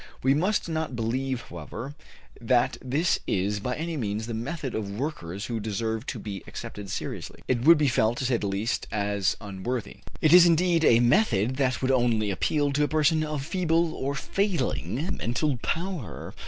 We must not believe, however, that this is by any means the method of workers who deserve to be accepted seriously; it would be felt, to say the least, as unworthy. It is indeed a method that would only appeal to a person of feeble or failing mental power.